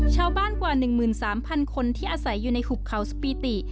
ชาวบ้านกว่า๑๓๐๐คนที่อาศัยอยู่ในหุบเขาสปีติ